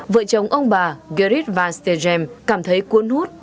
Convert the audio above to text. vợ chồng ông bà gerrit van stegem cảm thấy cuốn hút